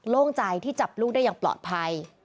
โล่งใจที่จับลูกได้อย่างปลอดภัย